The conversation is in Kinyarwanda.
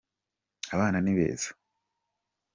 abana nibeza